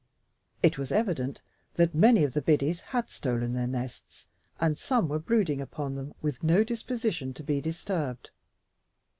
It was evident that many of the biddies had stolen their nests, and some were brooding upon them with no disposition to be disturbed.